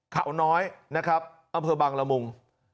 เขาน้อยนะครับอำเภอบางละมุง